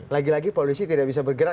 lagi lagi polisi tidak bisa bergerak